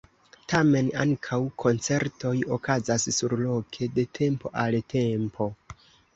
Tamen ankaŭ koncertoj okazas surloke de tempo al tempo.